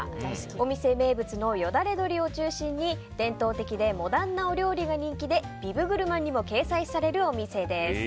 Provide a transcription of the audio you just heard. お店名物のよだれ鶏を中心に伝統的でモダンなお料理が人気でビブグルマンにも掲載されるお店です。